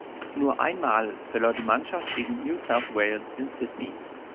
Nur einmal verlor die Mannschaft gegen New South Wales in Sydney.